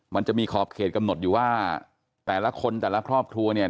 มันจะมีขอบเขตกำหนดอยู่ว่าแต่ละคนแต่ละครอบครัวเนี่ย